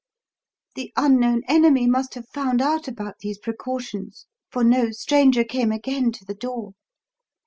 The unknown enemy must have found out about these precautions, for no stranger came again to the door.